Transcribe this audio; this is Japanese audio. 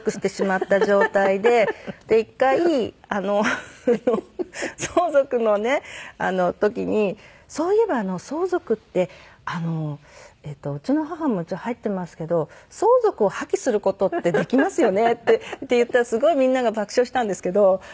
１回相続のね時に「そういえば相続ってうちの母も一応入ってますけど相続を破棄する事ってできますよね？」って言ったらすごいみんなが爆笑したんですけど。